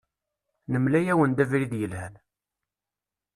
Nemla-awen-d abrid yelhan.